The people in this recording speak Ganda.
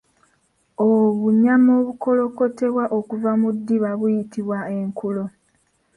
Obunyama obukolokotebwa okuva mu ddiba buyitibwa enkulo